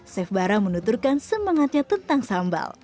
saif barah menuturkan semangatnya tentang sambal